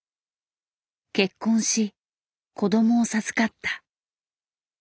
結婚し子どもを授かった。